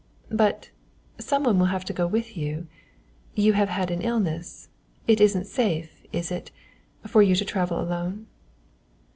"But some one will have to go with you you have had an illness it isn't safe, is it, for you to travel alone?"